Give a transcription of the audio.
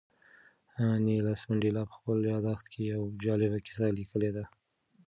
نیلسن منډېلا په خپل یاداښت کې یوه جالبه کیسه لیکلې ده.